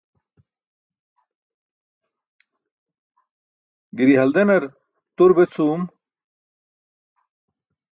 Giri haldenar tur be cʰuum.